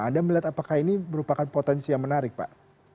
anda melihat apakah ini merupakan potensi yang menarik pak